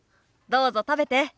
どうぞ食べて。